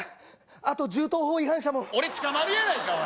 あと銃刀法違反者も俺捕まるやないか！